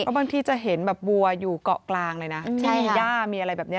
บางทีจะเห็นแบบวัวอยู่เกาะกลางเลยนะที่มีย่ามีอะไรแบบนี้